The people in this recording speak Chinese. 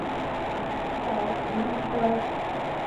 积劳卒于官。